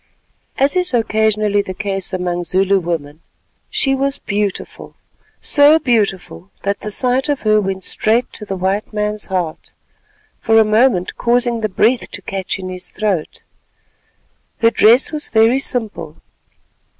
As is occasionally the case among Zulu women, she was beautiful—so beautiful that the sight of her went straight to the white man's heart, for a moment causing the breath to catch in his throat. Her dress was very simple.